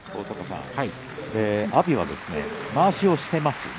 阿炎はまわしをしています。